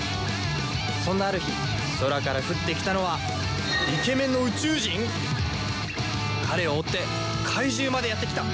そんなある日空から降ってきたのは彼を追って怪獣までやってきた。